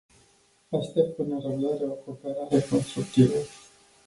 Aștept cu nerăbdare o cooperare constructivă.